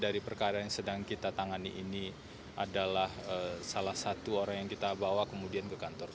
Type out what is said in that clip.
dari perkara yang sedang kita tangani ini adalah salah satu orang yang kita bawa kemudian ke kantor